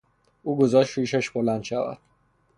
او گذاشت ریشش بلند شود.